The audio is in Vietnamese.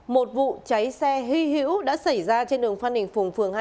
một vụ cháy xe hy hữu đã xảy ra trên đường phan đình phùng phường hai